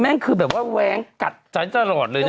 งคือแบบว่าแว้งกัดฉันตลอดเลยนะ